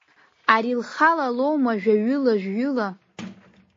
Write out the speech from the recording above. Ари лхала лоума, жәаҩыла, шәҩыла…